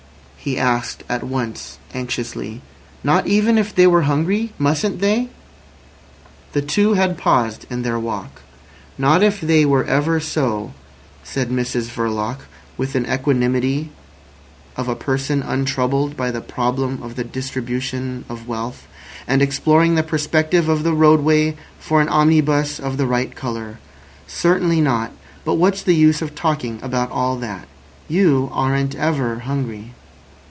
he asked at once anxiously. "Not even if they were hungry? Mustn't they?" The two had paused in their walk. "Not if they were ever so," said Mrs Verloc, with the equanimity of a person untroubled by the problem of the distribution of wealth, and exploring the perspective of the roadway for an omnibus of the right colour. "Certainly not. But what's the use of talking about all that? You aren't ever hungry."